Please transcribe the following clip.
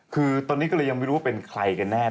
คือตอนนี้ก็เลยยังไม่รู้ว่าเป็นใครกันแน่